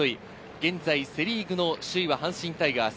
現在セ・リーグの首位は阪神タイガース。